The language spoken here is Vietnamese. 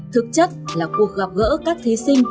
thực chất là cuộc gặp gỡ các thí sinh